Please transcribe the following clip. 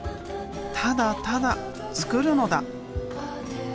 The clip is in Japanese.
ただただ作るのだ！